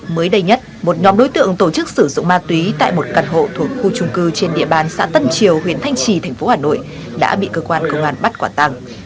mới đây nhất một nhóm đối tượng tổ chức sử dụng ma túy tại một căn hộ thuộc khu trung cư trên địa bàn xã tân triều huyện thanh trì thành phố hà nội đã bị cơ quan công an bắt quả tăng